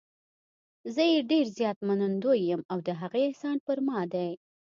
زه یې ډېر زیات منندوی یم او د هغې احسان پر ما دی.